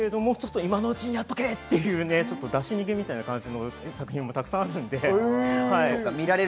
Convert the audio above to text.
今のうちにやっとけっていう、出し逃げみたいな作品もたくさんあります。